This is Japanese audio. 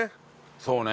そうね。